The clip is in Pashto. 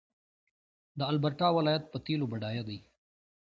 د البرټا ولایت په تیلو بډایه دی.